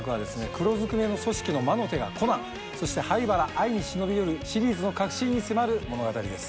黒ずくめの組織の魔の手がコナンそして灰原哀に忍び寄るシリーズの核心に迫る物語です。